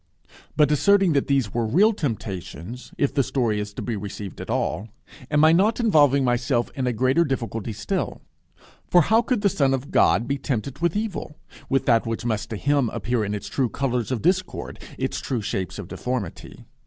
But asserting that these were real temptations if the story is to be received at all, am I not involving myself in a greater difficulty still? For how could the Son of God be tempted with evil with that which must to him appear in its true colours of discord, its true shapes of deformity?